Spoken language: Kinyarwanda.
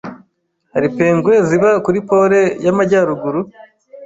Hari pingwin ziba kuri Pole y'Amajyaruguru?